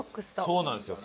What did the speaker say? そうなんですよ。